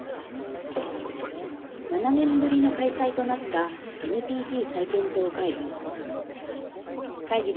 ７年ぶりの開催となったＮＰＴ再検討会議。